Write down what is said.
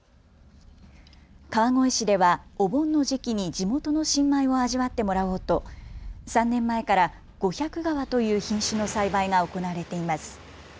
川越市ではお盆の時期に地元の新米を味わってもらおうと３年前から五百川という品種の栽培が行われています。